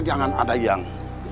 jangan ke cheung